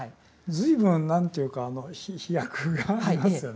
随分何というか飛躍がありますよね。